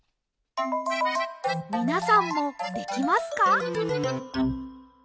みなさんもできますか？